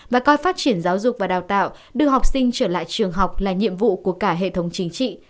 và coi phát triển giáo dục và đào tạo đưa học sinh trở lại trường học là nhiệm vụ của cả hệ thống chính trị